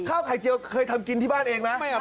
ข้าวไข่เจียวเคยทำกินที่บ้านเองไหม